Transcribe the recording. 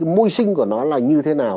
môi sinh của nó là như thế nào